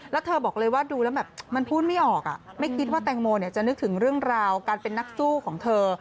แล้วเธอบอกเลยว่าดูแล้วแบบมันพูดไม่ออกไม่คิดว่าแตงโมจะนึกถึงเรื่องราวการเป็นนักสู้ของเธอ